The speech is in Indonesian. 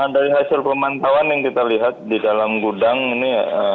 dari hasil pemantauan yang kita lihat di dalam gudang ini